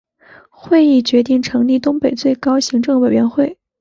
会议决定成立东北最高行政委员会。